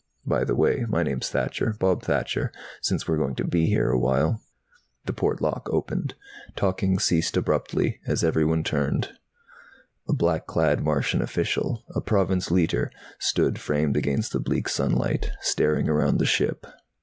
By the way, my name's Thacher, Bob Thacher. Since we're going to be here awhile " The port lock opened. Talking ceased abruptly, as everyone turned. A black clad Martian official, a Province Leiter, stood framed against the bleak sunlight, staring around the ship.